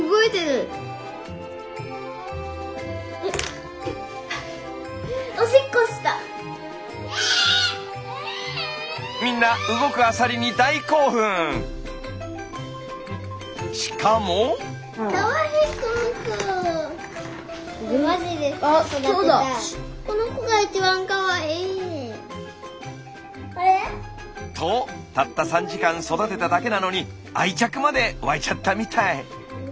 とたった３時間育てただけなのに愛着まで湧いちゃったみたい。